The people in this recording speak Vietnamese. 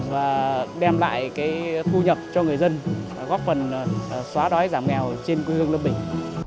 và đem lại cái thu nhập cho người dân góp phần xóa đói giảm nghèo trên quê hương lâm bình